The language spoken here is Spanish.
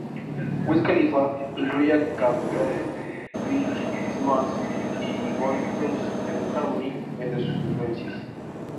Wiz Khalifa incluye a Camp Lo, Biggie Smalls y Bone Thugs-N-Harmony entre sus influencias.